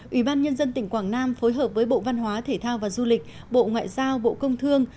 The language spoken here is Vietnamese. ủy ban nhân dân tỉnh quảng nam phối hợp với bộ văn hóa thể thao và du lịch bộ ngoại giao bộ công thương